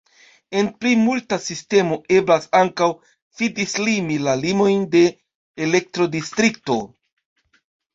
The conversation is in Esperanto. En plimulta sistemo eblas ankaŭ fi-dislimi la limojn de elektodistrikto.